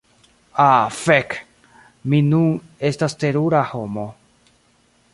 Ah fek' mi nun estas terura homo